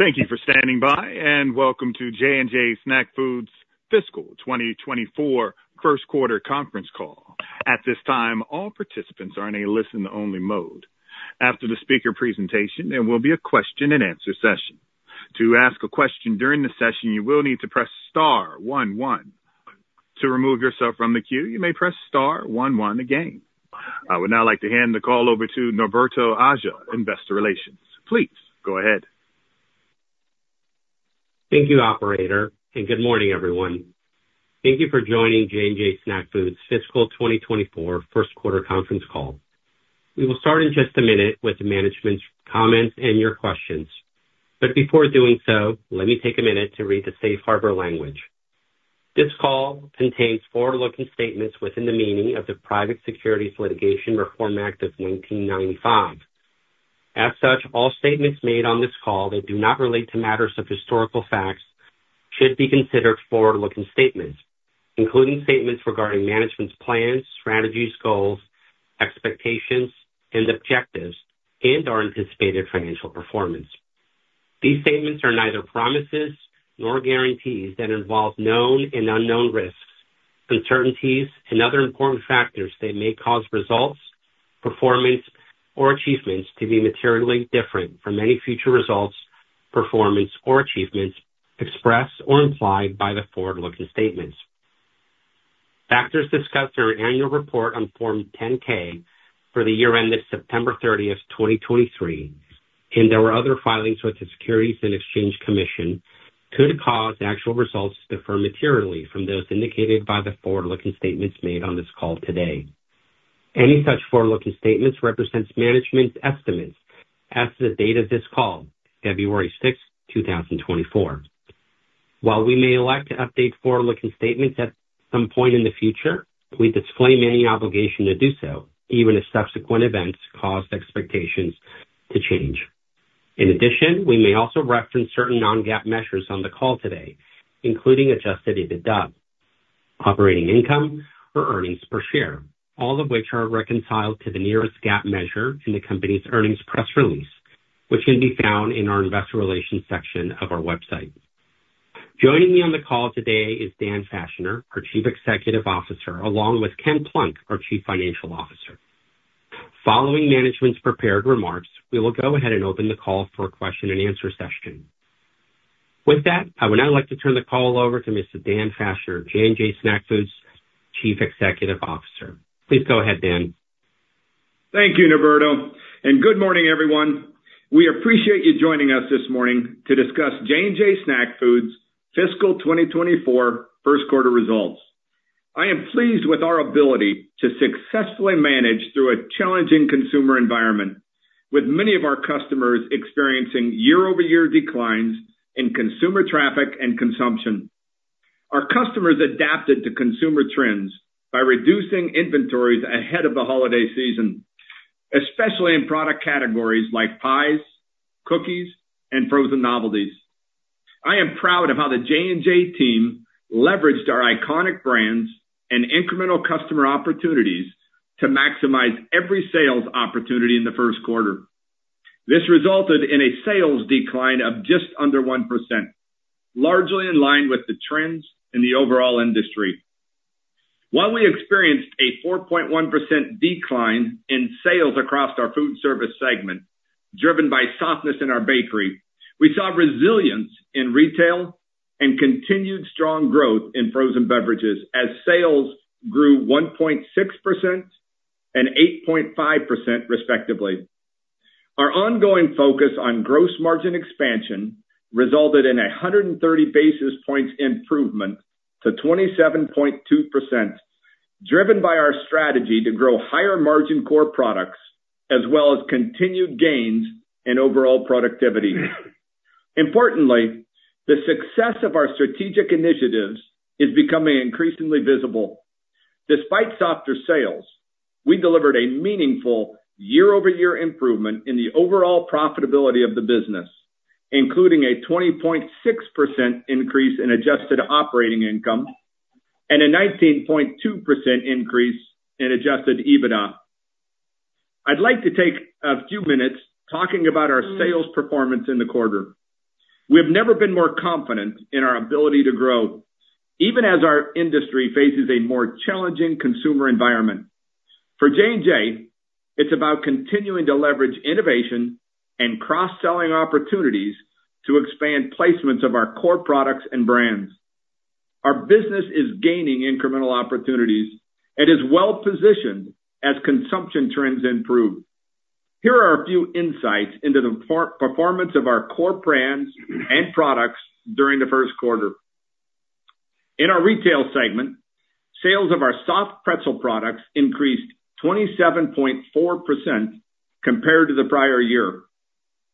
Thank you for standing by, and welcome to J&J Snack Foods' Fiscal 2024 Q1 conference call. At this time, all participants are in a listen-only mode. After the speaker presentation, there will be a question-and-answer session. To ask a question during the session, you will need to press star one, one. To remove yourself from the queue, you may press star one, one again. I would now like to hand the call over to Norberto Aja, Investor Relations. Please go ahead. Thank you, operator, and good morning, everyone. Thank you for joining J&J Snack Foods' Fiscal 2024 Q1 conference call. We will start in just a minute with management's comments and your questions, but before doing so, let me take a minute to read the safe harbor language. This call contains forward-looking statements within the meaning of the Private Securities Litigation Reform Act of 1995. As such, all statements made on this call that do not relate to matters of historical facts should be considered forward-looking statements, including statements regarding management's plans, strategies, goals, expectations and objectives, and our anticipated financial performance. These statements are neither promises nor guarantees and involve known and unknown risks, uncertainties, and other important factors that may cause results, performance, or achievements to be materially different from any future results, performance or achievements expressed or implied by the forward-looking statements. Factors discussed in our annual report on Form 10-K for the year ended September 30, 2023, and there were other filings with the Securities and Exchange Commission, could cause actual results to differ materially from those indicated by the forward-looking statements made on this call today. Any such forward-looking statements represents management's estimates as of the date of this call, February 6, 2024. While we may elect to update forward-looking statements at some point in the future, we disclaim any obligation to do so, even if subsequent events cause expectations to change. In addition, we may also reference certain non-GAAP measures on the call today, including Adjusted EBITDA, operating income, or earnings per share, all of which are reconciled to the nearest GAAP measure in the company's earnings press release, which can be found in our investor relations section of our website. Joining me on the call today is Dan Fachner, our Chief Executive Officer, along with Ken Plunk, our Chief Financial Officer. Following management's prepared remarks, we will go ahead and open the call for a question-and-answer session. With that, I would now like to turn the call over to Mr. Dan Fachner, J&J Snack Foods' Chief Executive Officer. Please go ahead, Dan. Thank you, Norberto, and good morning, everyone. We appreciate you joining us this morning to discuss J&J Snack Foods' fiscal 2024 Q1 results. I am pleased with our ability to successfully manage through a challenging consumer environment, with many of our customers experiencing year-over-year declines in consumer traffic and consumption. Our customers adapted to consumer trends by reducing inventories ahead of the holiday season, especially in product categories like pies, cookies, and frozen novelties. I am proud of how the J&J team leveraged our iconic brands and incremental customer opportunities to maximize every sales opportunity in the Q1. This resulted in a sales decline of just under 1%, largely in line with the trends in the overall industry. While we experienced a 4.1% decline in sales across our Food Service segment, driven by softness in our bakery, we saw resilience in retail and continued strong growth in Frozen Beverages as sales grew 1.6% and 8.5%, respectively. Our ongoing focus on Gross Margin expansion resulted in 130 basis points improvement to 27.2%, driven by our strategy to grow higher-margin core products as well as continued gains in overall productivity. Importantly, the success of our strategic initiatives is becoming increasingly visible. Despite softer sales, we delivered a meaningful year-over-year improvement in the overall profitability of the business, including a 20.6% increase in Adjusted Operating Income and a 19.2% increase in Adjusted EBITDA. I'd like to take a few minutes talking about our sales performance in the quarter. We have never been more confident in our ability to grow, even as our industry faces a more challenging consumer environment. For J&J, it's about continuing to leverage innovation and cross-selling opportunities to expand placements of our core products and brands. Our business is gaining incremental opportunities and is well positioned as consumption trends improve. Here are a few insights into the performance of our core brands and products during the Q1. In our Retail segment, sales of our soft pretzel products increased 27.4% compared to the prior year.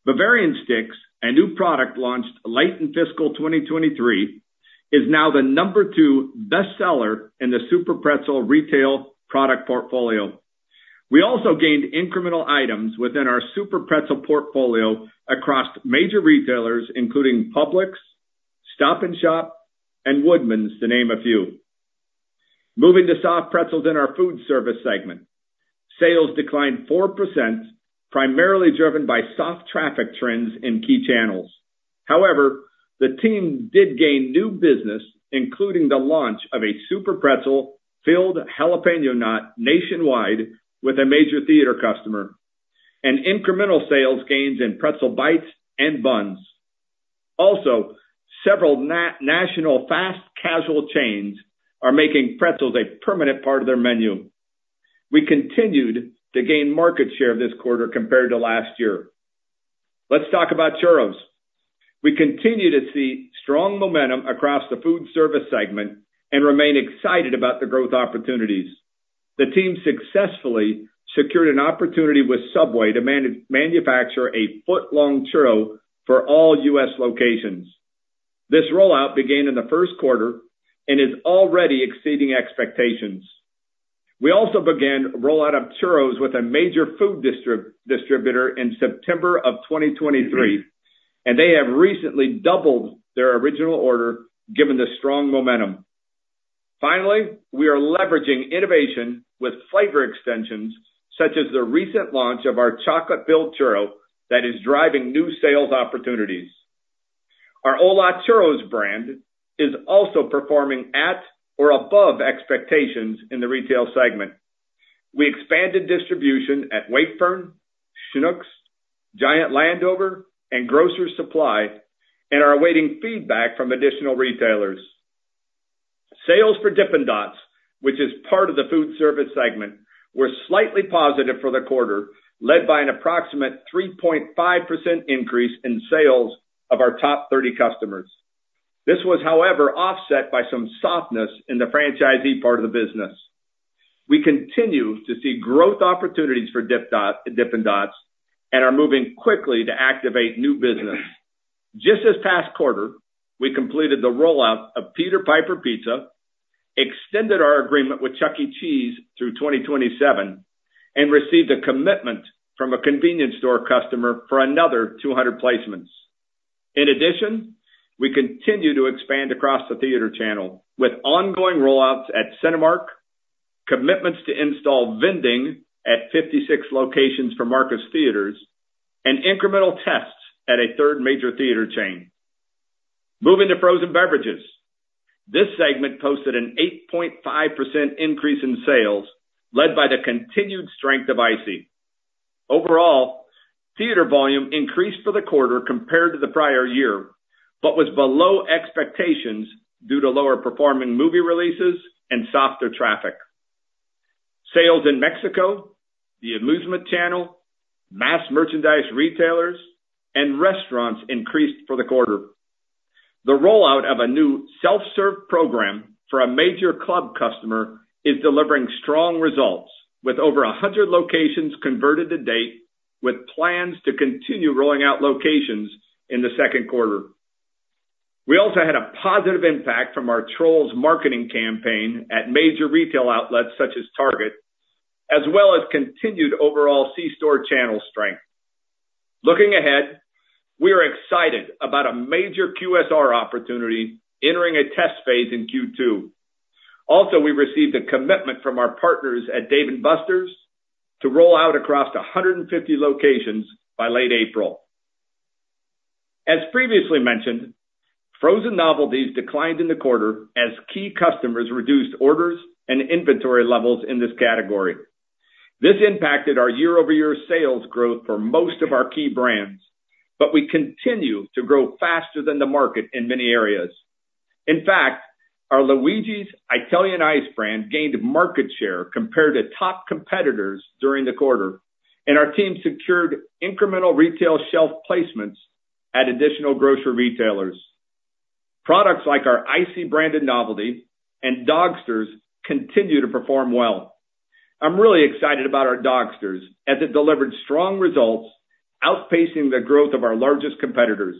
Bavarian Sticks, a new product launched late in fiscal 2023, is now the number two bestseller in the SUPERPRETZEL retail product portfolio. We also gained incremental items within our SUPERPRETZEL portfolio across major retailers, including Publix, Stop & Shop, and Woodman's, to name a few... Moving to soft pretzels in our Food Service segment. Sales declined 4%, primarily driven by soft traffic trends in key channels. However, the team did gain new business, including the launch of a SUPERPRETZEL filled jalapeño knot nationwide with a major theater customer, and incremental sales gains in pretzel bites and buns. Also, several national fast casual chains are making pretzels a permanent part of their menu. We continued to gain market share this quarter compared to last year. Let's talk about churros. We continue to see strong momentum across the Food Service segment and remain excited about the growth opportunities. The team successfully secured an opportunity with Subway to manufacture a foot-long churro for all U.S. locations. This rollout began in the Q1 and is already exceeding expectations. We also began rollout of churros with a major food distributor in September 2023, and they have recently doubled their original order, given the strong momentum. Finally, we are leveraging innovation with flavor extensions, such as the recent launch of our chocolate-filled churro that is driving new sales opportunities. Our ¡Hola! Churros brand is also performing at or above expectations in the retail segment. We expanded distribution at Wakefern, Schnucks, Giant Landover, and Grocer Supply, and are awaiting feedback from additional retailers. Sales for Dippin' Dots, which is part of the food service segment, were slightly positive for the quarter, led by an approximate 3.5% increase in sales of our top 30 customers. This was, however, offset by some softness in the franchisee part of the business. We continue to see growth opportunities for Dippin' Dots and are moving quickly to activate new business. Just this past quarter, we completed the rollout of Peter Piper Pizza, extended our agreement with Chuck E. Cheese through 2027, and received a commitment from a convenience store customer for another 200 placements. In addition, we continue to expand across the theater channel with ongoing rollouts at Cinemark, commitments to install vending at 56 locations for Marcus Theatres, and incremental tests at a third major theater chain. Moving to frozen beverages. This segment posted an 8.5% increase in sales, led by the continued strength of ICEE. Overall, theater volume increased for the quarter compared to the prior year, but was below expectations due to lower-performing movie releases and softer traffic. Sales in Mexico, the amusement channel, mass merchandise retailers, and restaurants increased for the quarter. The rollout of a new self-serve program for a major club customer is delivering strong results, with over 100 locations converted to date, with plans to continue rolling out locations in the Q2. We also had a positive impact from our Trolls marketing campaign at major retail outlets such as Target, as well as continued overall c-store channel strength. Looking ahead, we are excited about a major QSR opportunity entering a test phase in Q2. Also, we received a commitment from our partners at Dave & Buster's to roll out across 150 locations by late April. As previously mentioned, frozen novelties declined in the quarter as key customers reduced orders and inventory levels in this category. This impacted our year-over-year sales growth for most of our key brands, but we continue to grow faster than the market in many areas. In fact, our Luigi's Italian Ice brand gained market share compared to top competitors during the quarter, and our team secured incremental retail shelf placements at additional grocery retailers. Products like our ICEE branded novelty and Dogsters continue to perform well. I'm really excited about our Dogsters, as it delivered strong results, outpacing the growth of our largest competitors.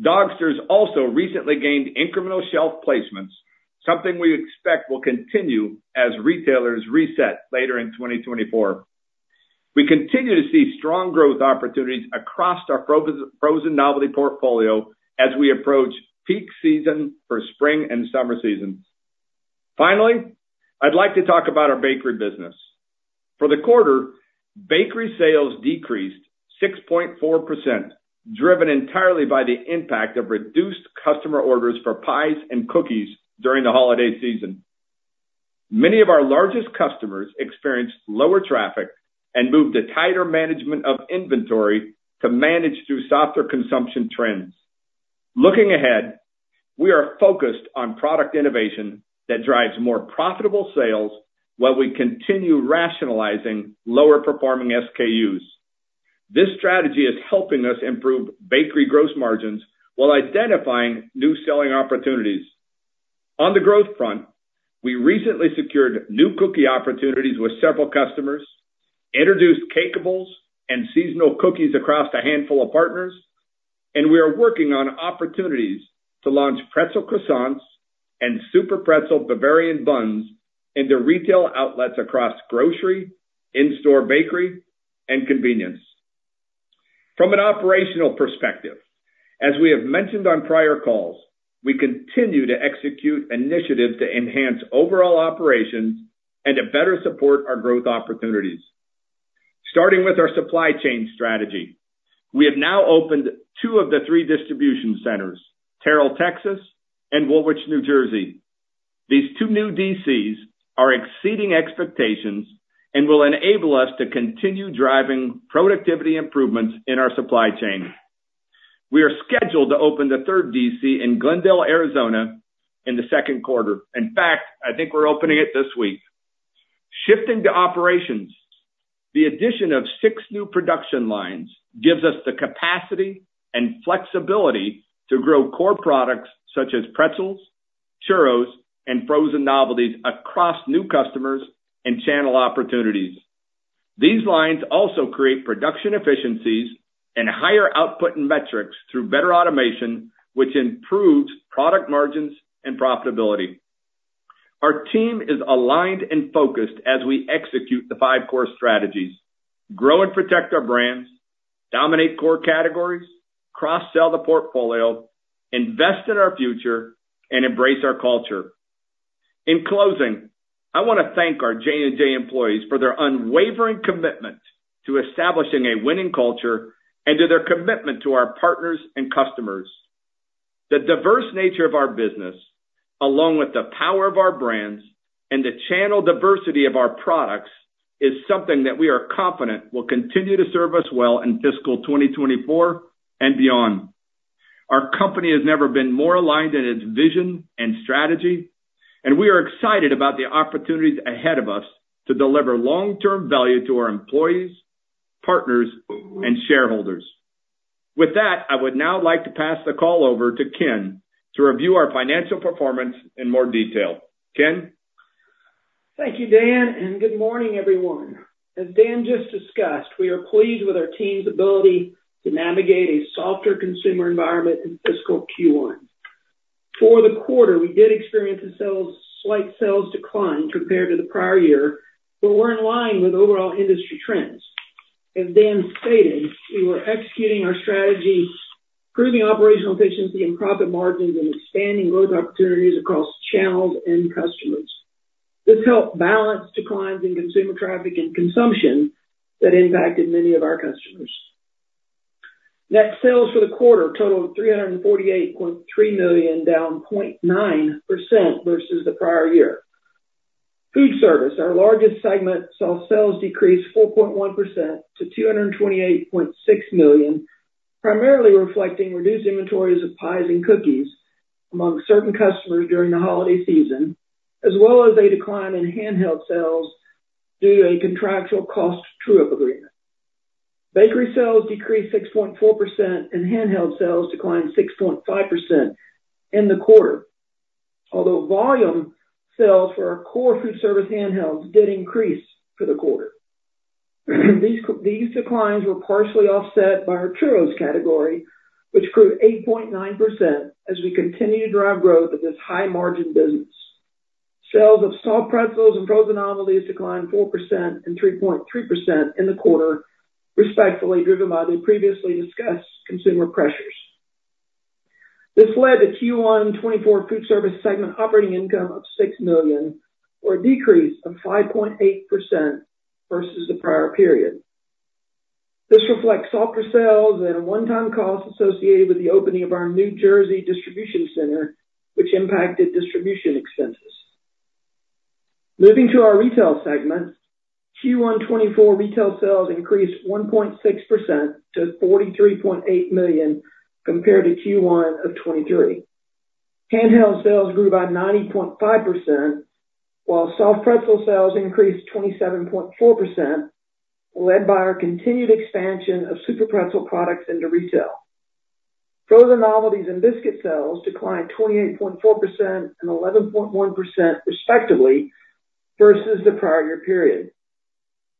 Dogsters also recently gained incremental shelf placements, something we expect will continue as retailers reset later in 2024. We continue to see strong growth opportunities across our frozen, frozen novelty portfolio as we approach peak season for spring and summer seasons. Finally, I'd like to talk about our bakery business. For the quarter, bakery sales decreased 6.4%, driven entirely by the impact of reduced customer orders for pies and cookies during the holiday season. Many of our largest customers experienced lower traffic and moved to tighter management of inventory to manage through softer consumption trends. Looking ahead, we are focused on product innovation that drives more profitable sales while we continue rationalizing lower-performing SKUs. This strategy is helping us improve bakery gross margins while identifying new selling opportunities. On the growth front, we recently secured new cookie opportunities with several customers, introduced Cakeables and seasonal cookies across a handful of partners, and we are working on opportunities to launch pretzel croissants and SUPERPRETZEL Bavarian Buns into retail outlets across grocery, in-store bakery, and convenience.... From an operational perspective, as we have mentioned on prior calls, we continue to execute initiatives to enhance overall operations and to better support our growth opportunities. Starting with our supply chain strategy, we have now opened two of the three distribution centers, Terrell, Texas, and Woolwich, New Jersey. These 2 new DCs are exceeding expectations and will enable us to continue driving productivity improvements in our supply chain. We are scheduled to open the third DC in Glendale, Arizona, in the Q2. In fact, I think we're opening it this week. Shifting to operations, the addition of 6 new production lines gives us the capacity and flexibility to grow core products such as pretzels, churros, and frozen novelties across new customers and channel opportunities. These lines also create production efficiencies and higher output and metrics through better automation, which improves product margins and profitability. Our team is aligned and focused as we execute the 5 core strategies, grow and protect our brands, dominate core categories, cross-sell the portfolio, invest in our future, and embrace our culture. In closing, I want to thank our J&J employees for their unwavering commitment to establishing a winning culture and to their commitment to our partners and customers. The diverse nature of our business, along with the power of our brands and the channel diversity of our products, is something that we are confident will continue to serve us well in fiscal 2024 and beyond. Our company has never been more aligned in its vision and strategy, and we are excited about the opportunities ahead of us to deliver long-term value to our employees, partners, and shareholders. With that, I would now like to pass the call over to Ken to review our financial performance in more detail. Ken? Thank you, Dan, and good morning, everyone. As Dan just discussed, we are pleased with our team's ability to navigate a softer consumer environment in fiscal Q1. For the quarter, we did experience a slight sales decline compared to the prior year, but we're in line with overall industry trends. As Dan stated, we were executing our strategy, improving operational efficiency and profit margins, and expanding growth opportunities across channels and customers. This helped balance declines in consumer traffic and consumption that impacted many of our customers. Net sales for the quarter totaled $348.3 million, down 0.9% versus the prior year. Food Service, our largest segment, saw sales decrease 4.1% to $228.6 million, primarily reflecting reduced inventories of pies and cookies among certain customers during the holiday season, as well as a decline in Handheld sales due to a contractual cost true-up agreement. Bakery sales decreased 6.4%, and Handheld sales declined 6.5% in the quarter. Although volume sales for our core Food Service Handhelds did increase for the quarter, these declines were partially offset by our churros category, which grew 8.9% as we continue to drive growth of this high-margin business. Sales of soft pretzels and frozen novelties declined 4% and 3.3% in the quarter, respectively, driven by the previously discussed consumer pressures. This led to Q1 2024 Food Service segment operating income of $6 million, or a decrease of 5.8% versus the prior period. This reflects softer sales and a one-time cost associated with the opening of our New Jersey distribution center, which impacted distribution expenses. Moving to our Retail segment, Q1 2024 Retail sales increased 1.6% to $43.8 million, compared to Q1 of 2023. Handheld sales grew by 90.5%, while soft pretzel sales increased 27.4%, led by our continued expansion of SUPERPRETZEL products into retail. Frozen novelties and biscuit sales declined 28.4% and 11.1%, respectively, versus the prior year period.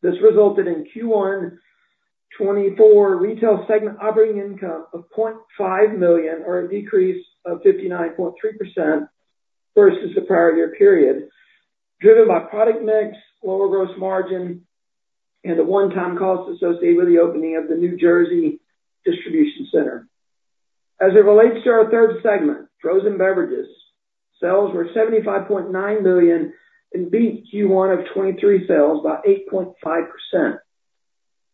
This resulted in Q1 2024 retail segment operating income of $0.5 million, or a decrease of 59.3% versus the prior year period, driven by product mix, lower gross margin, and a one-time cost associated with the opening of the New Jersey distribution center. As it relates to our third segment, frozen beverages, sales were $75.9 million and beat Q1 2023 sales by 8.5%.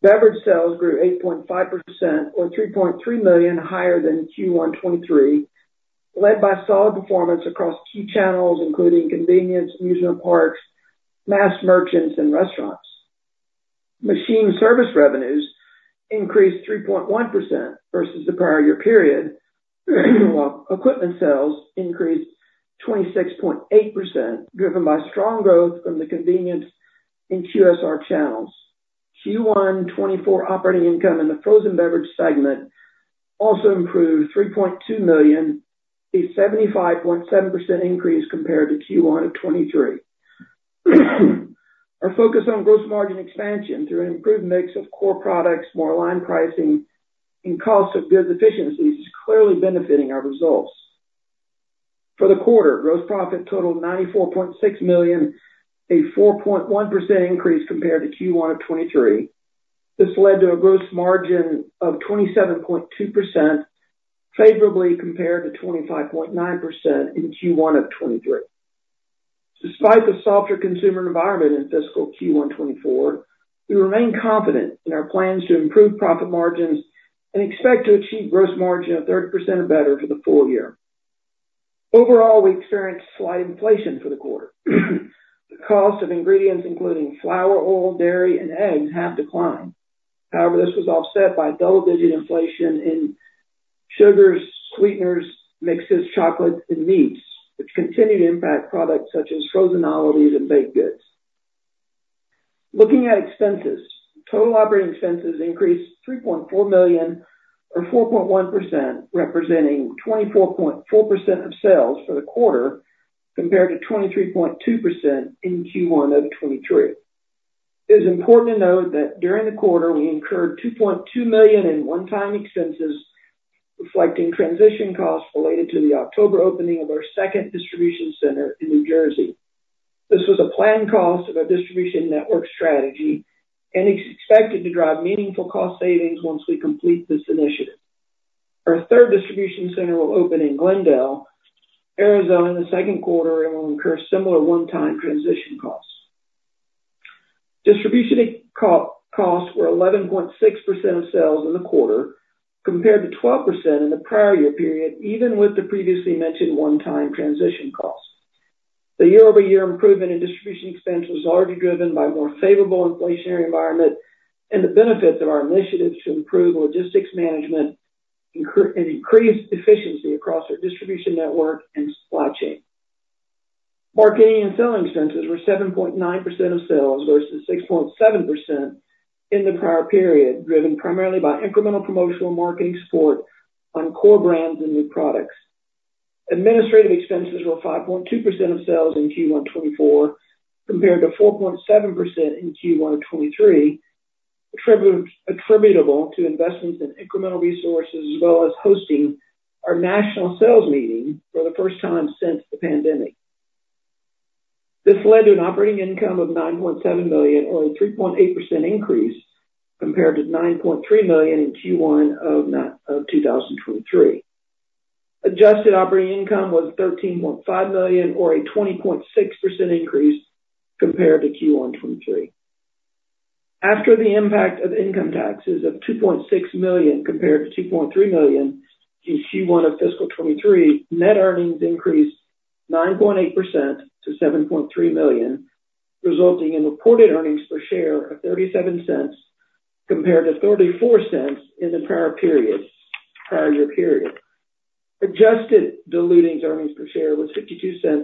Beverage sales grew 8.5% or $3.3 million higher than Q1 2023, led by solid performance across key channels, including convenience, amusement parks, mass merchants, and restaurants. Machine service revenues increased 3.1% versus the prior year period, while equipment sales increased 26.8%, driven by strong growth from the convenience in QSR channels. Q1 2024 operating income in the Frozen Beverages segment also improved $3.2 million, a 75.7% increase compared to Q1 of 2023. Our focus on gross margin expansion through an improved mix of core products, more aligned pricing, and cost of goods efficiencies, is clearly benefiting our results. For the quarter, gross profit totaled $94.6 million, a 4.1% increase compared to Q1 of 2023. This led to a gross margin of 27.2%, favorably compared to 25.9% in Q1 of 2023. Despite the softer consumer environment in fiscal Q1 2024, we remain confident in our plans to improve profit margins and expect to achieve gross margin of 30% or better for the full year. Overall, we experienced slight inflation for the quarter. The cost of ingredients, including flour, oil, dairy, and eggs, have declined. However, this was offset by double-digit inflation in sugars, sweeteners, mixes, chocolate, and meats, which continue to impact products such as frozen novelties and baked goods. Looking at expenses, total operating expenses increased $3.4 million, or 4.1%, representing 24.4% of sales for the quarter, compared to 23.2% in Q1 of 2023. It is important to note that during the quarter, we incurred $2.2 million in one-time expenses, reflecting transition costs related to the October opening of our second distribution center in New Jersey. This was a planned cost of our distribution network strategy and is expected to drive meaningful cost savings once we complete this initiative. Our third distribution center will open in Glendale, Arizona, in the Q2 and will incur similar one-time transition costs. Distribution costs were 11.6% of sales in the quarter, compared to 12% in the prior year period, even with the previously mentioned one-time transition costs. The year-over-year improvement in distribution expense was largely driven by more favorable inflationary environment and the benefits of our initiatives to improve logistics management, and increased efficiency across our distribution network and supply chain. Marketing and selling expenses were 7.9% of sales versus 6.7% in the prior period, driven primarily by incremental promotional marketing support on core brands and new products. Administrative expenses were 5.2% of sales in Q1 2024, compared to 4.7% in Q1 of 2023, attributable to investments in incremental resources, as well as hosting our national sales meeting for the first time since the pandemic. This led to an operating income of $9.7 million, or a 3.8% increase compared to $9.3 million in Q1 of 2023. Adjusted operating income was $13.5 million or a 20.6% increase compared to Q1 2023. After the impact of income taxes of $2.6 million, compared to $2.3 million in Q1 of fiscal 2023, net earnings increased 9.8% to $7.3 million, resulting in reported earnings per share of $0.37, compared to $0.34 in the prior period, prior year period. Adjusted diluted earnings per share was $0.52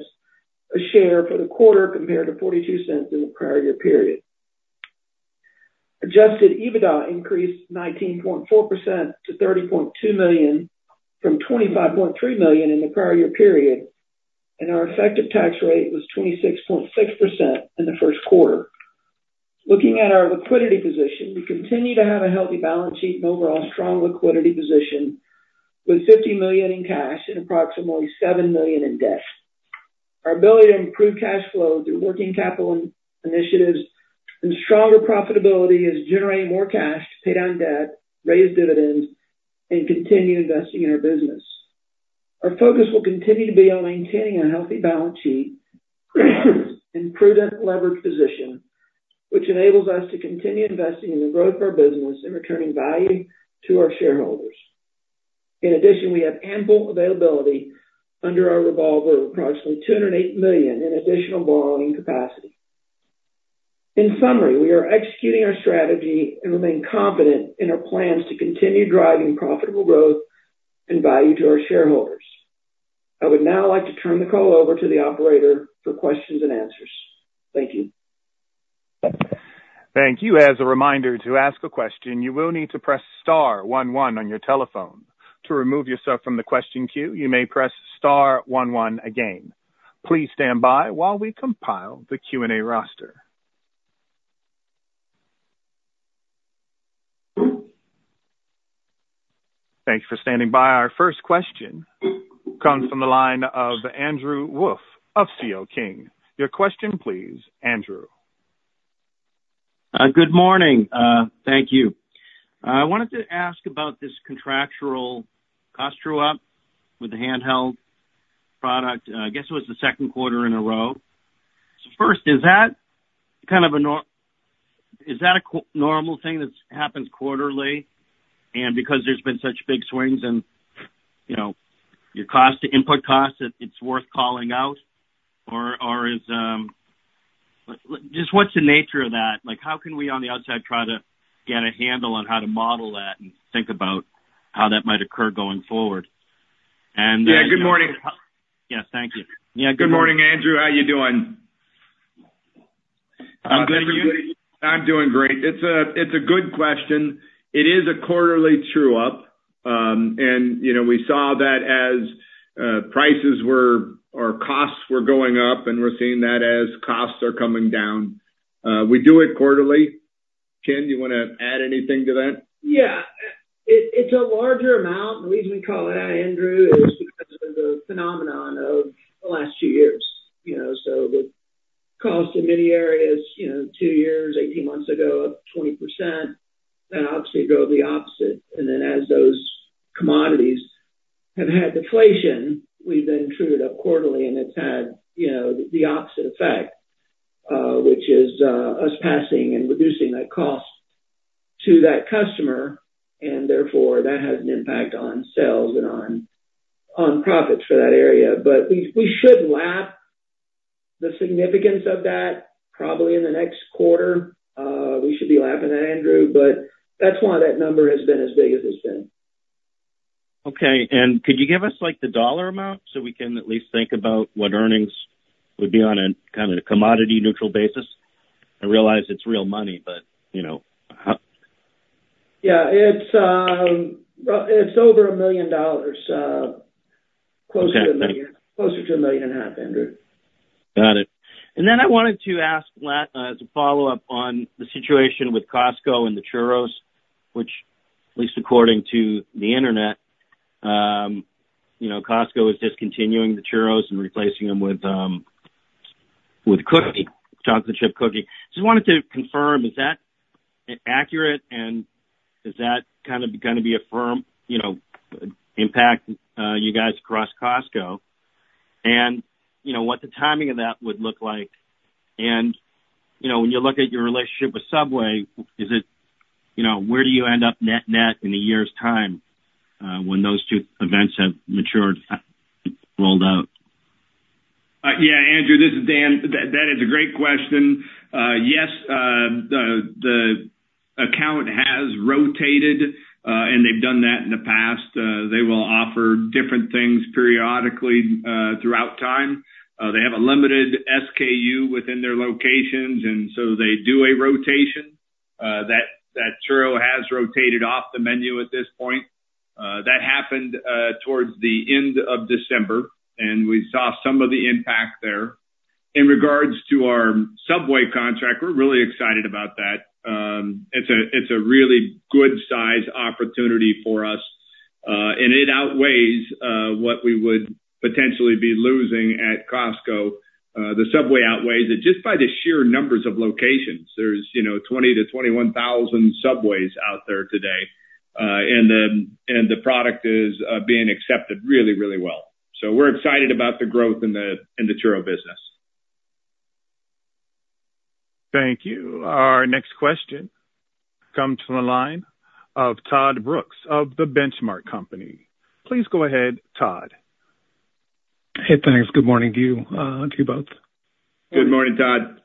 a share for the quarter, compared to $0.42 in the prior year period. Adjusted EBITDA increased 19.4% to $30.2 million from $25.3 million in the prior year period, and our effective tax rate was 26.6% in the Q1. Looking at our liquidity position, we continue to have a healthy balance sheet and overall strong liquidity position, with $50 million in cash and approximately $7 million in debt. Our ability to improve cash flow through working capital initiatives and stronger profitability is generating more cash to pay down debt, raise dividends, and continue investing in our business. Our focus will continue to be on maintaining a healthy balance sheet and prudent leverage position, which enables us to continue investing in the growth of our business and returning value to our shareholders. In addition, we have ample availability under our revolver, approximately $208 million in additional borrowing capacity. In summary, we are executing our strategy and remain confident in our plans to continue driving profitable growth and value to our shareholders. I would now like to turn the call over to the operator for questions and answers. Thank you. Thank you. As a reminder, to ask a question, you will need to press star one one on your telephone. To remove yourself from the question queue, you may press star one one again. Please stand by while we compile the Q&A roster. Thank you for standing by. Our first question comes from the line of Andrew Wolf of C.L. King. Your question, please, Andrew. Good morning. Thank you. I wanted to ask about this contractual cost true-up with the handheld product. I guess it was the Q2 in a row. So first, is that kind of a normal thing that happens quarterly, and because there's been such big swings and, you know, your cost, input costs, it, it's worth calling out? Or is just what's the nature of that? Like, how can we, on the outside, try to get a handle on how to model that and think about how that might occur going forward? And, uh- Yeah, good morning. Yes, thank you. Yeah, good morning. Good morning, Andrew. How are you doing? I'm good, and you? I'm doing great. It's a good question. It is a quarterly true-up. And you know, we saw that as prices were, or costs were going up, and we're seeing that as costs are coming down. We do it quarterly.... Ken, do you wanna add anything to that? Yeah. It's a larger amount. The reason we call it out, Andrew, is because of the phenomenon of the last 2 years. You know, so the cost in many areas, you know, 2 years, 18 months ago, up 20%, then obviously go the opposite. And then as those commodities have had deflation, we've then trued up quarterly, and it's had, you know, the opposite effect, which is us passing and reducing that cost to that customer, and therefore, that has an impact on sales and on profits for that area. But we should lap the significance of that probably in the next quarter. We should be lapping that, Andrew, but that's why that number has been as big as it's been. Okay. And could you give us, like, the dollar amount so we can at least think about what earnings would be on a kind of a commodity neutral basis? I realize it's real money, but, you know, how- Yeah. It's, well, it's over $1 million, closer to $1 million- Okay. Closer to $1.5 million, Andrew. Got it. And then I wanted to ask as a follow-up on the situation with Costco and the churros, which at least according to the internet, you know, Costco is discontinuing the churros and replacing them with, with cookie, chocolate chip cookie. Just wanted to confirm, is that accurate, and does that kind of going to be a firm, you know, impact, you guys across Costco? And, you know, what the timing of that would look like? And, you know, when you look at your relationship with Subway, is it... You know, where do you end up net-net in a year's time, when those two events have matured, rolled out? Yeah, Andrew, this is Dan. That is a great question. Yes, the account has rotated, and they've done that in the past. They will offer different things periodically throughout time. They have a limited SKU within their locations, and so they do a rotation. That churro has rotated off the menu at this point. That happened towards the end of December, and we saw some of the impact there. In regards to our Subway contract, we're really excited about that. It's a really good size opportunity for us, and it outweighs what we would potentially be losing at Costco. The Subway outweighs it just by the sheer numbers of locations. There's, you know, 20-21 thousand Subways out there today. The product is being accepted really, really well. So we're excited about the growth in the churro business. Thank you. Our next question comes from the line of Todd Brooks of The Benchmark Company. Please go ahead, Todd. Hey, thanks. Good morning to you, to you both. Good morning, Todd.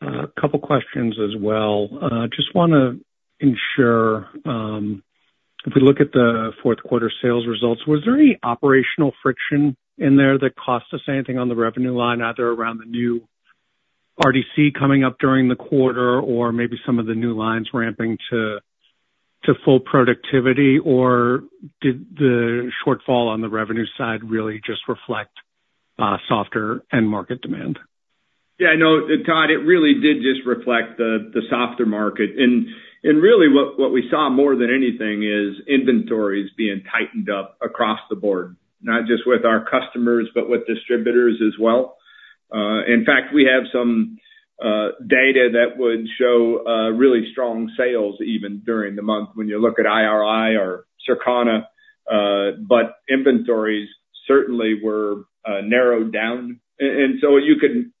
A couple questions as well. Just wanna ensure, if we look at the Q4 sales results, was there any operational friction in there that cost us anything on the revenue line, either around the new RDC coming up during the quarter, or maybe some of the new lines ramping to full productivity? Or did the shortfall on the revenue side really just reflect softer end market demand? Yeah, no, Todd, it really did just reflect the softer market. And really what we saw more than anything is inventories being tightened up across the board, not just with our customers, but with distributors as well. In fact, we have some data that would show really strong sales even during the month, when you look at IRI or Circana, but inventories certainly were narrowed down. And so you could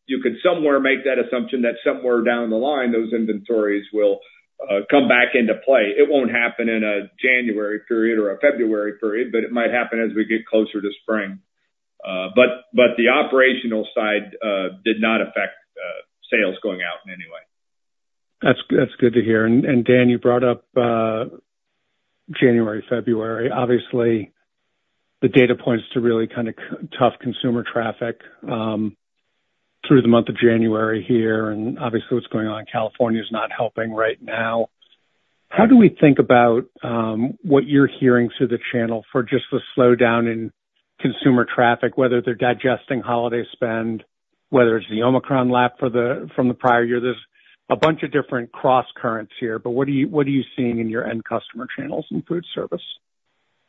somewhere make that assumption that somewhere down the line, those inventories will come back into play. It won't happen in a January period or a February period, but it might happen as we get closer to spring. But the operational side did not affect sales going out in any way. That's good to hear. And Dan, you brought up January, February. Obviously, the data points to really kind of tough consumer traffic through the month of January here, and obviously, what's going on in California is not helping right now. How do we think about what you're hearing through the channel for just the slowdown in consumer traffic, whether they're digesting holiday spend, whether it's the Omicron lapping from the prior year? There's a bunch of different crosscurrents here, but what are you seeing in your end customer channels in Food Service?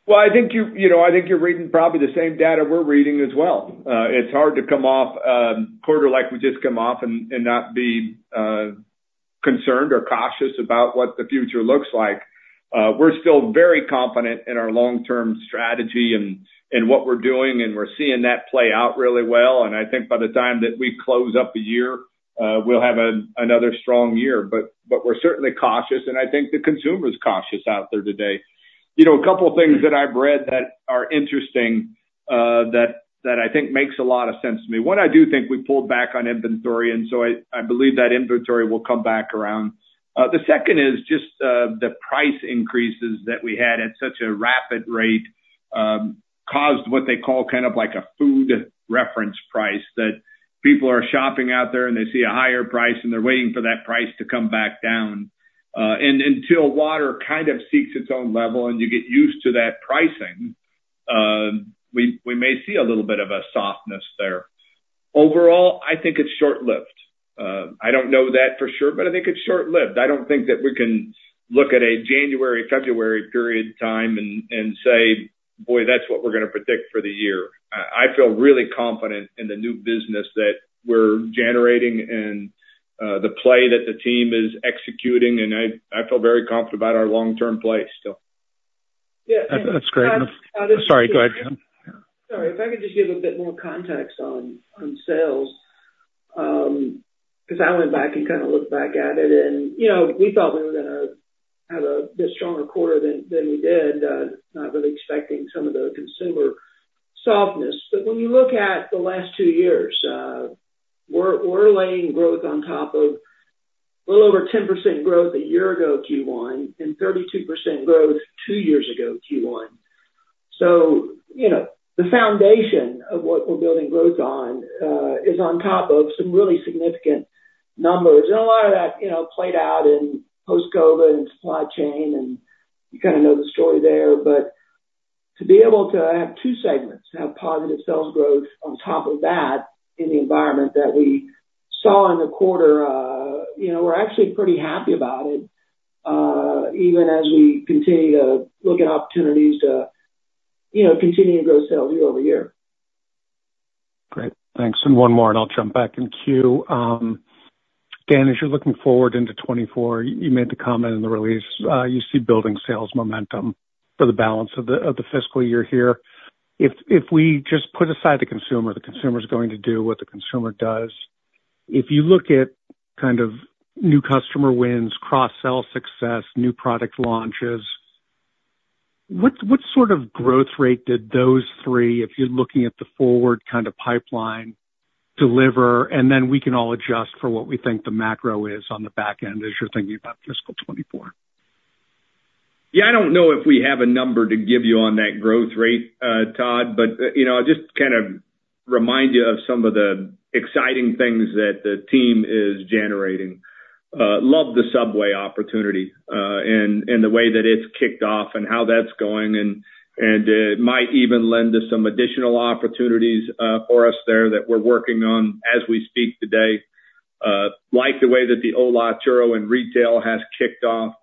Well, I think you, you know, I think you're reading probably the same data we're reading as well. It's hard to come off a quarter like we just come off and not be concerned or cautious about what the future looks like. We're still very confident in our long-term strategy and what we're doing, and we're seeing that play out really well. And I think by the time that we close up the year, we'll have another strong year. But we're certainly cautious, and I think the consumer is cautious out there today. You know, a couple things that I've read that are interesting, that I think makes a lot of sense to me. One, I do think we pulled back on inventory, and so I believe that inventory will come back around. The second is just the price increases that we had at such a rapid rate caused what they call kind of like a food reference price, that people are shopping out there, and they see a higher price, and they're waiting for that price to come back down. And until water kind of seeks its own level and you get used to that pricing, we may see a little bit of a softness there. Overall, I think it's short-lived. I don't know that for sure, but I think it's short-lived. I don't think that we can look at a January, February period of time and say, "Boy, that's what we're gonna predict for the year." I feel really confident in the new business that we're generating and the play that the team is executing, and I feel very confident about our long-term play, so. Yeah. That's great. Sorry, go ahead. Sorry. If I could just give a bit more context on sales, 'cause I went back and kind of looked back at it and, you know, we thought we were gonna have a stronger quarter than we did, not really expecting some of the consumer softness. But when you look at the last two years, we're laying growth on top of a little over 10% growth a year ago, Q1, and 32% growth two years ago, Q1. So, you know, the foundation of what we're building growth on is on top of some really significant numbers. And a lot of that, you know, played out in post-COVID and supply chain, and you kind of know the story there. But to be able to have two segments, have positive sales growth on top of that, in the environment that we saw in the quarter, you know, we're actually pretty happy about it, even as we continue to look at opportunities to, you know, continue to grow sales year-over-year. Great. Thanks. And one more, and I'll jump back in queue. Dan, as you're looking forward into 2024, you made the comment in the release, you see building sales momentum for the balance of the fiscal year here. If we just put aside the consumer, the consumer's going to do what the consumer does. If you look at kind of new customer wins, cross-sell success, new product launches, what sort of growth rate did those three, if you're looking at the forward kind of pipeline, deliver? And then we can all adjust for what we think the macro is on the back end, as you're thinking about fiscal 2024. Yeah, I don't know if we have a number to give you on that growth rate, Todd, but, you know, I'll just kind of remind you of some of the exciting things that the team is generating. Love the Subway opportunity, and it might even lend us some additional opportunities for us there that we're working on as we speak today. Like the way that the ¡Hola! and retail has kicked off.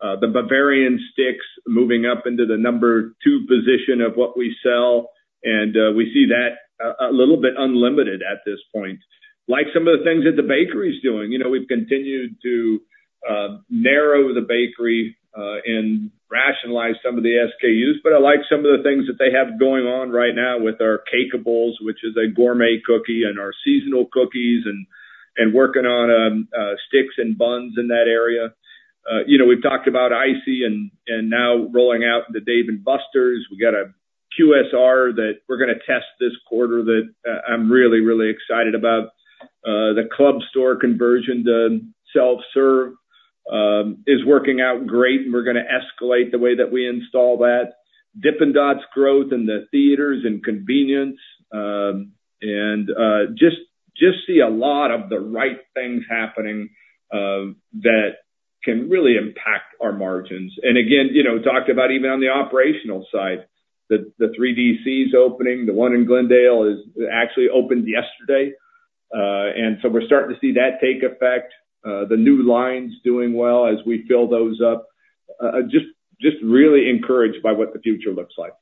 The Bavarian Sticks moving up into the number 2 position of what we sell, and we see that a little bit unlimited at this point. Like some of the things that the bakery's doing, you know, we've continued to narrow the bakery and rationalize some of the SKUs, but I like some of the things that they have going on right now with our Cakeables, which is a gourmet cookie, and our seasonal cookies and working on sticks and buns in that area. You know, we've talked about ICEE and now rolling out the Dave & Buster's. We got a QSR that we're gonna test this quarter, that I'm really, really excited about. The club store conversion to self-serve is working out great, and we're gonna escalate the way that we install that. Dippin' Dots growth in the theaters and convenience and just see a lot of the right things happening that can really impact our margins. And again, you know, talked about even on the operational side, the 3 DCs opening, the one in Glendale is actually opened yesterday. And so we're starting to see that take effect. The new lines doing well as we fill those up. Just really encouraged by what the future looks like.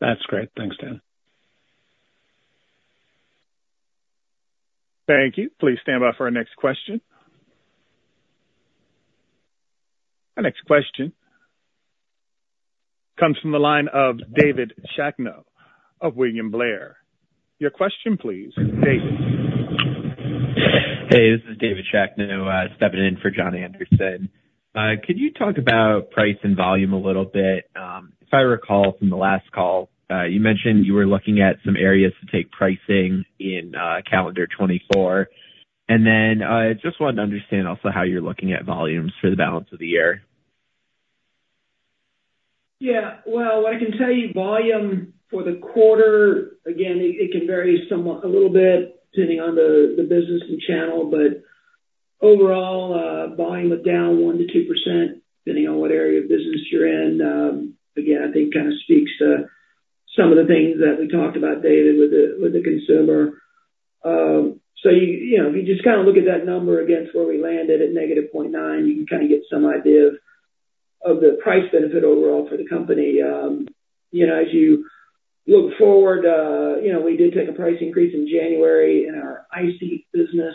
That's great. Thanks, Dan. Thank you. Please stand by for our next question. Our next question comes from the line of David Schachne of William Blair. Your question, please, David. Hey, this is David Schachne, stepping in for John Anderson. Could you talk about price and volume a little bit? If I recall from the last call, you mentioned you were looking at some areas to take pricing in, calendar 2024. Then, just wanted to understand also how you're looking at volumes for the balance of the year. Yeah. Well, I can tell you volume for the quarter, again, it can vary somewhat, a little bit, depending on the business and channel, but overall, volume was down 1%-2%, depending on what area of business you're in. Again, I think kind of speaks to some of the things that we talked about, David, with the consumer. So, you know, if you just kind of look at that number against where we landed at -0.9, you can kind of get some idea of the price benefit overall for the company. You know, as you look forward, you know, we did take a price increase in January in our ICEE business.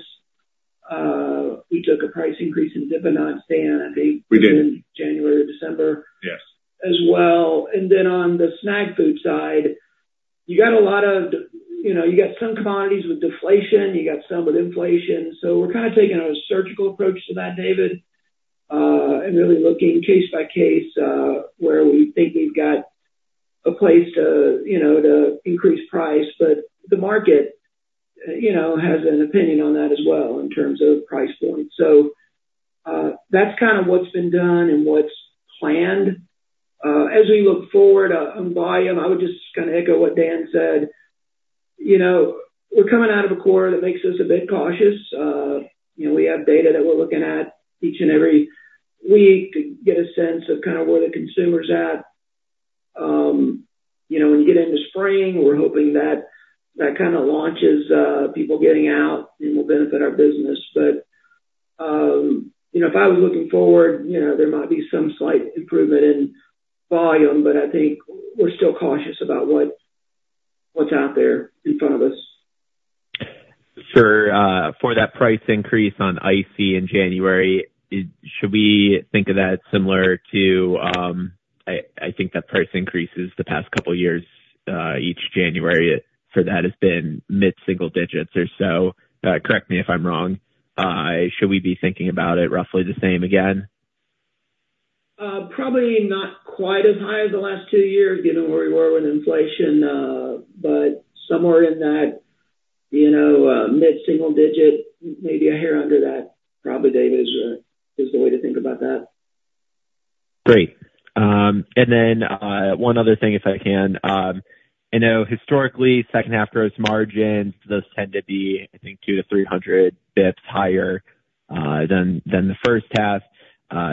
We took a price increase in Dippin' Dots, Dan, I think- We did. January or December. Yes. As well. Then on the snack food side, you got a lot of—you know, you got some commodities with deflation, you got some with inflation, so we're kind of taking a surgical approach to that, David, and really looking case by case, where we think we've got a place to, you know, to increase price. But the market, you know, has an opinion on that as well, in terms of price point. So, that's kind of what's been done and what's planned. As we look forward, on volume, I would just kind of echo what Dan said: You know, we're coming out of a quarter that makes us a bit cautious. You know, we have data that we're looking at each and every week to get a sense of kind of where the consumer's at.... you know, when you get into spring, we're hoping that that kind of launches people getting out and will benefit our business. But, you know, if I was looking forward, you know, there might be some slight improvement in volume, but I think we're still cautious about what, what's out there in front of us. Sure. For that price increase on IC in January, should we think of that similar to... I think that price increases the past couple years, each January for that has been mid-single digits or so. Correct me if I'm wrong. Should we be thinking about it roughly the same again? Probably not quite as high as the last two years, given where we were with inflation, but somewhere in that, you know, mid-single digit, maybe a hair under that, probably, David, is the way to think about that. Great. And then, one other thing, if I can. I know historically, second half gross margins, those tend to be, I think, 200-300 basis points higher than the first half.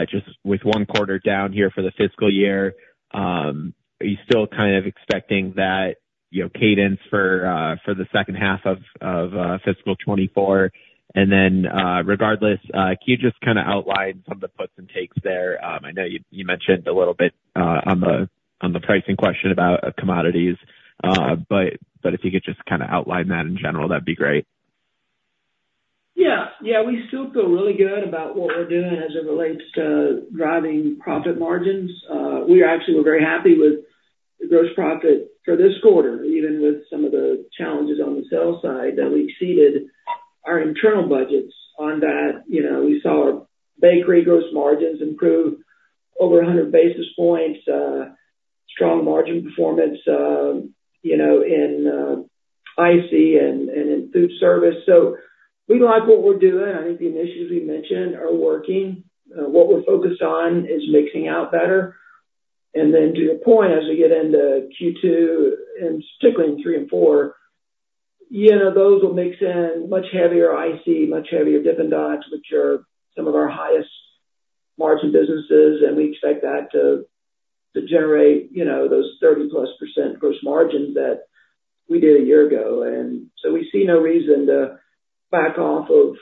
Just with one quarter down here for the fiscal year, are you still kind of expecting that, you know, cadence for the second half of fiscal 2024? And then, regardless, can you just kind of outline some of the puts and takes there? I know you mentioned a little bit on the pricing question about commodities, but if you could just kind of outline that in general, that'd be great. Yeah. Yeah, we still feel really good about what we're doing as it relates to driving profit margins. We actually were very happy with the gross profit for this quarter, even with some of the challenges on the sales side, that we exceeded our internal budgets on that. You know, we saw our bakery gross margins improve over 100 basis points, strong margin performance, you know, in IC and in food service. So we like what we're doing. I think the initiatives we mentioned are working. What we're focused on is mixing out better. And then to your point, as we get into Q2, and particularly in 3 and 4, you know, those will mix in much heavier ICEE, much heavier Dippin' Dots, which are some of our highest margin businesses, and we expect that to generate, you know, those 30%+ gross margins that we did a year ago. And so we see no reason to back off of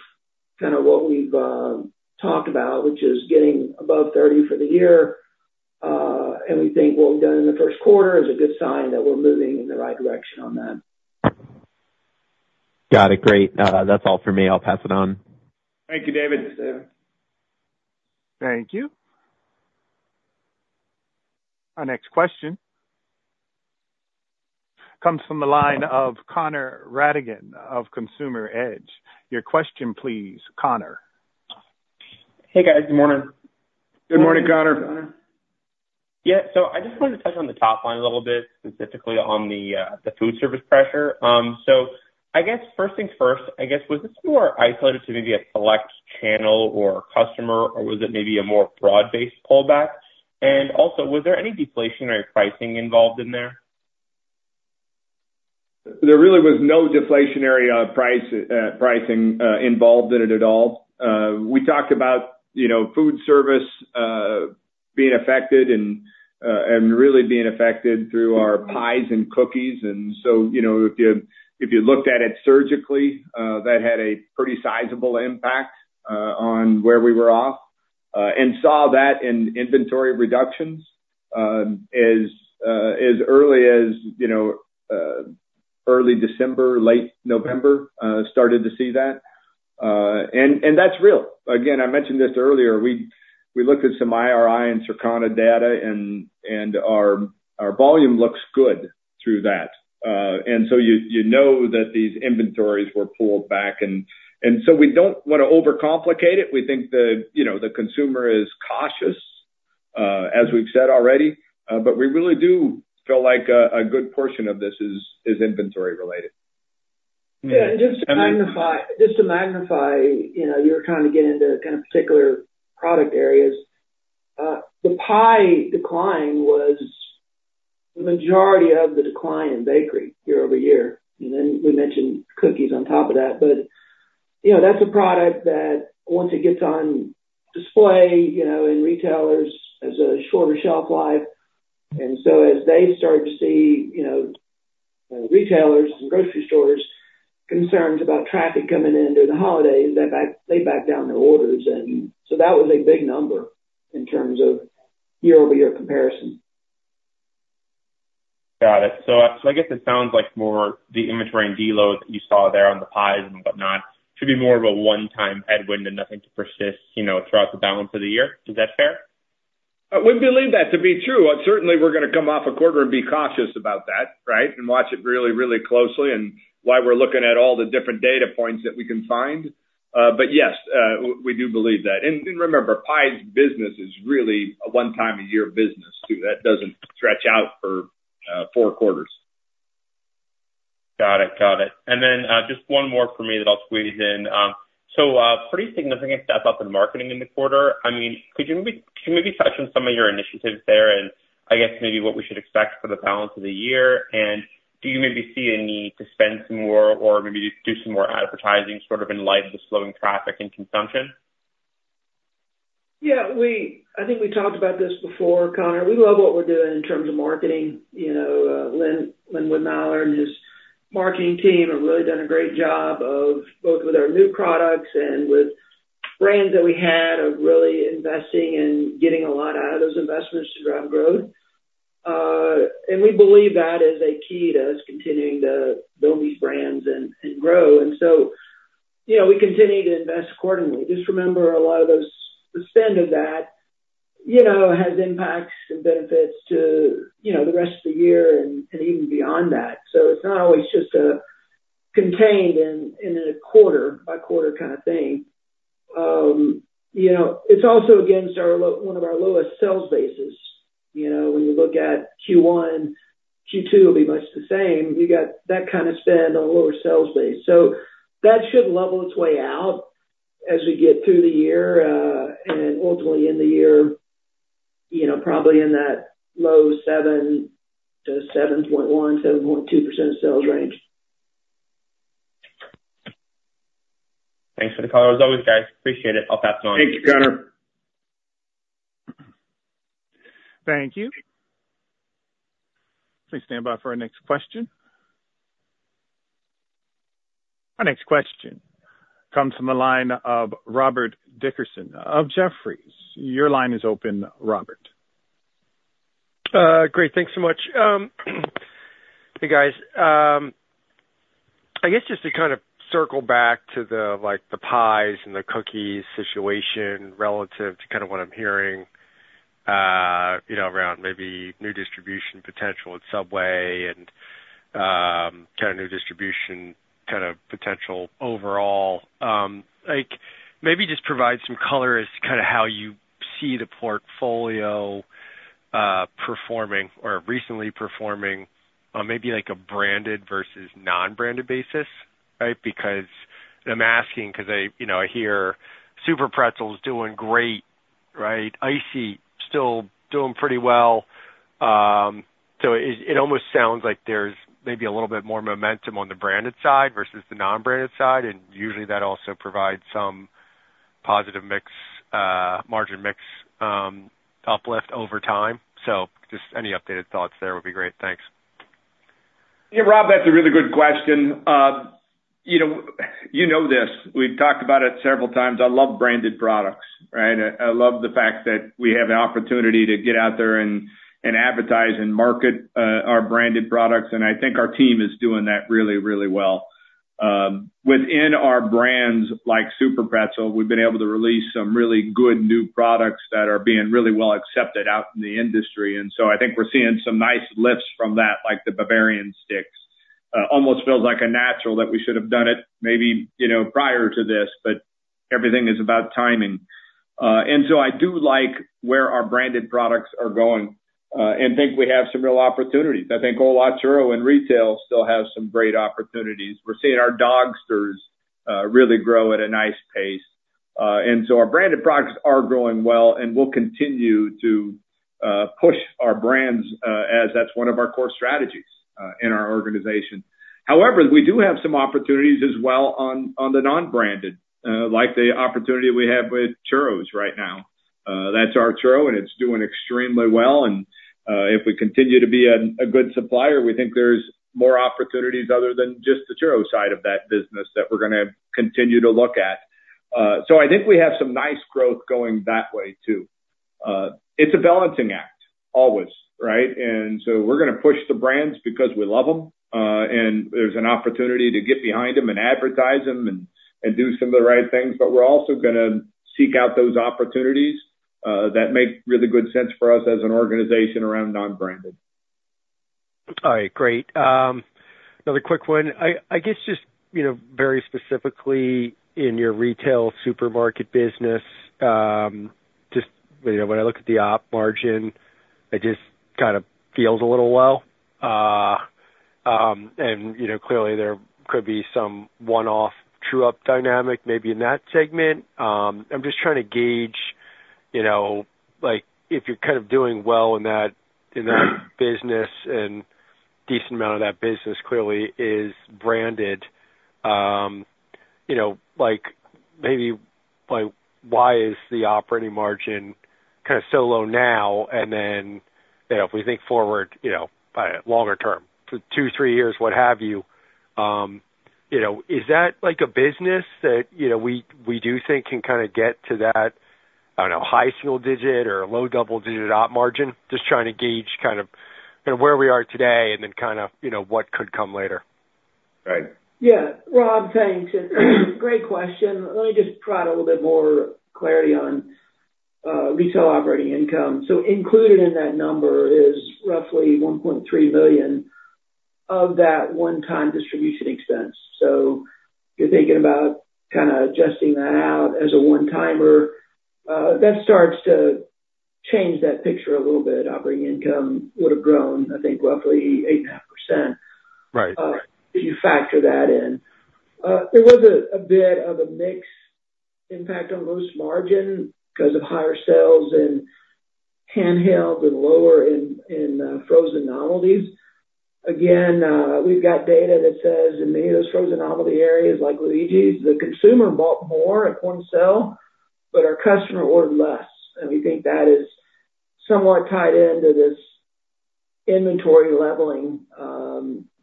kind of what we've talked about, which is getting above 30% for the year. And we think what we've done in the Q1 is a good sign that we're moving in the right direction on that. Got it. Great. That's all for me. I'll pass it on. Thank you, David. Thank you. Our next question comes from the line of Connor Rattigan of Consumer Edge. Your question please, Connor. Hey, guys. Good morning. Good morning, Connor. Good morning, Connor. Yeah. So I just wanted to touch on the top line a little bit, specifically on the food service pressure. So I guess, first things first, I guess, was this more isolated to maybe a select channel or customer, or was it maybe a more broad-based pullback? And also, was there any deflationary pricing involved in there? There really was no deflationary price pricing involved in it at all. We talked about, you know, food service being affected and really being affected through our pies and cookies. And so, you know, if you looked at it surgically, that had a pretty sizable impact on where we were off and saw that in inventory reductions as early as, you know, early December, late November, started to see that. And that's real. Again, I mentioned this earlier, we looked at some IRI and Circana data and our volume looks good through that. And so you know that these inventories were pulled back and so we don't want to overcomplicate it. We think the, you know, the consumer is cautious, as we've said already, but we really do feel like a good portion of this is inventory related. Yeah, and just to magnify- And- Just to magnify, you know, you're trying to get into kind of particular product areas. The pie decline was the majority of the decline in bakery year-over-year, and then we mentioned cookies on top of that. But, you know, that's a product that once it gets on display, you know, in retailers, has a shorter shelf life. And so as they start to see, you know, retailers and grocery stores concerns about traffic coming in during the holidays, they back down their orders. And so that was a big number in terms of year-over-year comparison. Got it. So, I guess it sounds like more the inventory and deload that you saw there on the pies and whatnot, should be more of a one-time headwind and nothing to persist, you know, throughout the balance of the year. Is that fair? We believe that to be true, but certainly we're gonna come off a quarter and be cautious about that, right? And watch it really, really closely, and why we're looking at all the different data points that we can find. But yes, we do believe that. Remember, pies business is really a one time a year business, too. That doesn't stretch out for four quarters. Got it. Got it. And then, just one more for me that I'll squeeze in. So, pretty significant step up in marketing in the quarter. I mean, could you maybe, could you maybe touch on some of your initiatives there, and I guess maybe what we should expect for the balance of the year? And do you maybe see a need to spend some more or maybe do some more advertising, sort of in light of the slowing traffic and consumption? Yeah, we, I think we talked about this before, Connor. We love what we're doing in terms of marketing. You know, Lynwood Mallard and his marketing team have really done a great job of both with our new products and with brands that we had, of really investing and getting a lot out of those investments to drive growth. And we believe that is a key to us continuing to build these brands and grow. And so, you know, we continue to invest accordingly. Just remember, a lot of those, the spend of that, you know, has impacts and benefits to, you know, the rest of the year and even beyond that. So it's not always just contained in a quarter by quarter kind of thing. You know, it's also against one of our lowest sales bases. You know, when you look at Q1, Q2 will be much the same. We got that kind of spend on a lower sales base. So that should level its way out as we get through the year, and ultimately in the year, you know, probably in that low 7 to 7.1-7.2% sales range. Thanks for the call as always, guys. Appreciate it. I'll pass it on. Thanks, Connor. Thank you. Please stand by for our next question. Our next question comes from the line of Robert Dickerson of Jefferies. Your line is open, Robert. Great. Thanks so much. Hey, guys. I guess just to kind of circle back to the, like, the pies and the cookies situation, relative to kind of what I'm hearing, you know, around maybe new distribution potential at Subway and, kind of new distribution kind of potential overall. Like, maybe just provide some color as to kind of how you see the portfolio, performing or recently performing on maybe like a branded versus non-branded basis, right? Because I'm asking because I, you know, I hear SUPERPRETZEL's doing great, right? ICEE still doing pretty well. So it almost sounds like there's maybe a little bit more momentum on the branded side versus the non-branded side, and usually, that also provides some positive mix, margin mix, uplift over time. So just any updated thoughts there would be great. Thanks. Yeah, Rob, that's a really good question. You know, you know this, we've talked about it several times. I love branded products, right? I love the fact that we have an opportunity to get out there and advertise and market our branded products, and I think our team is doing that really, really well. Within our brands, like SUPERPRETZEL, we've been able to release some really good new products that are being really well accepted out in the industry. And so I think we're seeing some nice lifts from that, like the Bavarian Sticks. Almost feels like a natural that we should have done it maybe, you know, prior to this, but everything is about timing. And so I do like where our branded products are going, and think we have some real opportunities. I think ¡Hola! Churros in retail still have some great opportunities. We're seeing our Dogsters really grow at a nice pace. So our branded products are growing well, and we'll continue to push our brands as that's one of our core strategies in our organization. However, we do have some opportunities as well on the non-branded like the opportunity we have with Churros right now. That's our Churro, and it's doing extremely well. If we continue to be a good supplier, we think there's more opportunities other than just the Churro side of that business that we're gonna continue to look at. So I think we have some nice growth going that way, too. It's a balancing act, always, right? And so we're gonna push the brands because we love them, and there's an opportunity to get behind them and advertise them and do some of the right things, but we're also gonna seek out those opportunities that make really good sense for us as an organization around non-branded. All right. Great. Another quick one. I guess just, you know, very specifically in your retail supermarket business, just, you know, when I look at the op margin, it just kind of feels a little low. And, you know, clearly there could be some one-off, true-up dynamic maybe in that segment. I'm just trying to gauge, you know, like, if you're kind of doing well in that, in that business and decent amount of that business clearly is branded, you know, like, maybe, like, why is the operating margin kind of so low now? And then, you know, if we think forward, you know, longer term, for two, three years, what have you, you know, is that like a business that, you know, we, we do think can kind of get to that, I don't know, high single digit or a low double digit op margin? Just trying to gauge kind of, you know, where we are today and then kind of, you know, what could come later. Right. Yeah. Rob, thanks, and great question. Let me just provide a little bit more clarity on retail operating income. So included in that number is roughly $1.3 million of that one-time distribution expense. So if you're thinking about kind of adjusting that out as a one-timer, that starts to change that picture a little bit. Operating income would have grown, I think, roughly 8.5%- Right. If you factor that in. There was a bit of a mix impact on gross margin because of higher sales in handheld and lower in frozen novelties. Again, we've got data that says in many of those frozen novelty areas, like Luigi's, the consumer bought more at retail, but our customer ordered less. And we think that is somewhat tied into this inventory leveling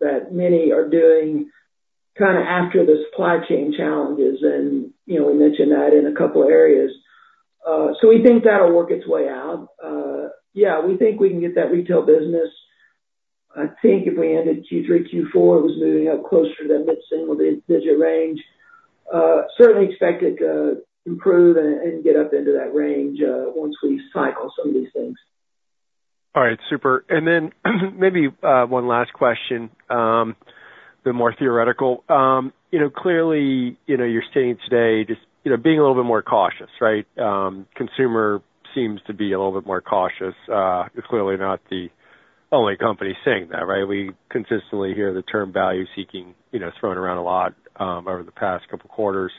that many are doing kinda after the supply chain challenges. And, you know, we mentioned that in a couple areas. So we think that'll work its way out. Yeah, we think we can get that retail business. I think if we ended Q3, Q4, it was moving up closer to that mid-single digit range. Certainly expect it to improve and get up into that range once we cycle some of these things. All right. Super. And then maybe, one last question, a bit more theoretical. You know, clearly, you know, you're stating today just, you know, being a little bit more cautious, right? Consumer seems to be a little bit more cautious. You're clearly not the only company saying that, right? We consistently hear the term value seeking, you know, thrown around a lot, over the past couple quarters.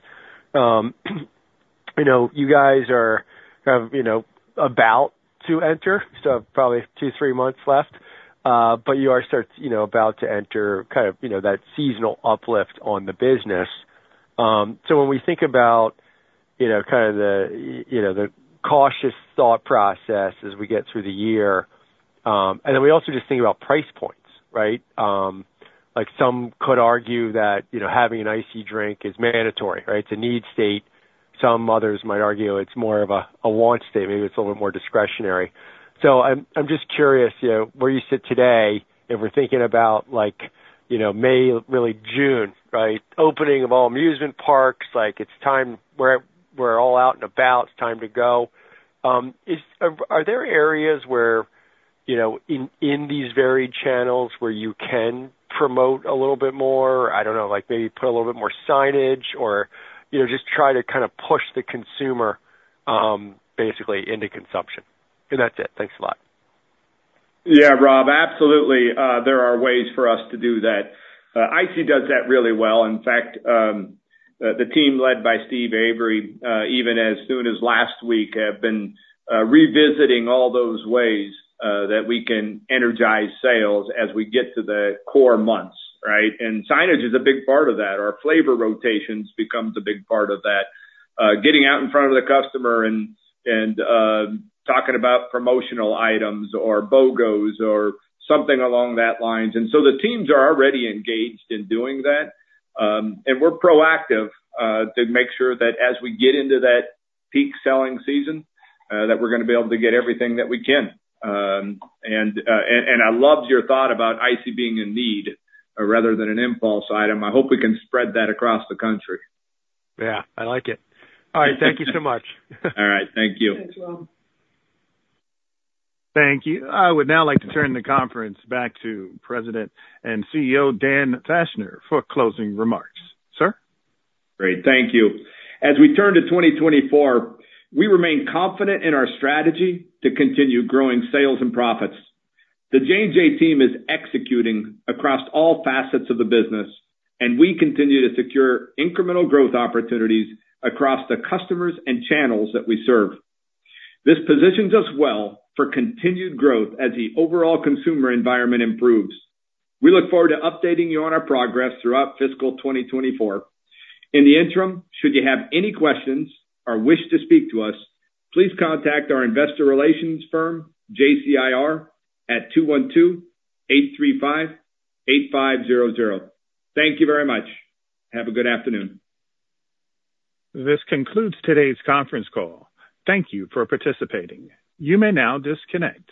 You know, you guys are kind of, you know, about to enter, so probably two, three months left, but you are, you know, about to enter kind of, you know, that seasonal uplift on the business. So when we think about, you know, kind of the, you know, the cautious thought process as we get through the year... And then we also just think about price points, right? Like, some could argue that, you know, having an icy drink is mandatory, right? It's a need state. Some others might argue it's more of a want state, maybe it's a little more discretionary. So I'm just curious, you know, where you sit today, if we're thinking about, like, you know, May, really June, right, opening of all amusement parks, like it's time, we're all out and about, it's time to go. Are there areas where, you know, in these varied channels where you can promote a little bit more? I don't know, like maybe put a little bit more signage or, you know, just try to kind of push the consumer basically into consumption? That's it. Thanks a lot. Yeah, Rob, absolutely, there are ways for us to do that. ICEE does that really well. In fact, the team led by Steve Avery, even as soon as last week, have been revisiting all those ways that we can energize sales as we get to the core months, right? And signage is a big part of that. Our flavor rotations becomes a big part of that. Getting out in front of the customer and talking about promotional items or BOGOs or something along that lines. And so the teams are already engaged in doing that. And we're proactive to make sure that as we get into that peak selling season that we're gonna be able to get everything that we can. I loved your thought about ICEE being a need rather than an impulse item. I hope we can spread that across the country. Yeah, I like it. All right. Thank you so much. All right. Thank you. Thanks, Rob. Thank you. I would now like to turn the conference back to President and CEO, Dan Fachner, for closing remarks. Sir? Great. Thank you. As we turn to 2024, we remain confident in our strategy to continue growing sales and profits. The J&J team is executing across all facets of the business, and we continue to secure incremental growth opportunities across the customers and channels that we serve. This positions us well for continued growth as the overall consumer environment improves. We look forward to updating you on our progress throughout fiscal 2024. In the interim, should you have any questions or wish to speak to us, please contact our investor relations firm, JCIR, at 212-835-8500. Thank you very much. Have a good afternoon. This concludes today's conference call. Thank you for participating. You may now disconnect.